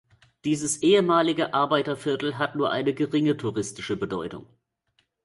Dieses ehemalige Arbeiterviertel hat nur eine geringe touristische Bedeutung.